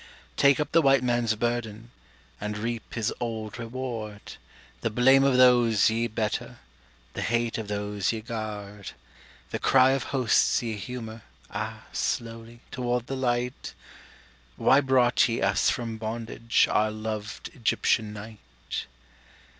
Take up the White Man's burden And reap his old reward; The blame of those ye better, The hate of those ye guard The cry of hosts ye humour (Ah, slowly!) toward the light: "Why brought ye us from bondage, Our loved Egyptian night?"